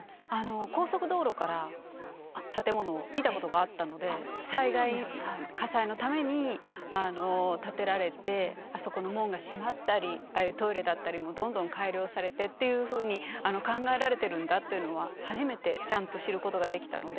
高速道路から建物を見たことがあったので災害火災のために建てられてあそこの門が閉まったりああいうトイレだったりもどんどん改良されてっていうふうに考えられてるんだっていうのは初めてちゃんと知ることができたので。